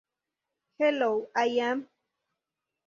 Hello I Am...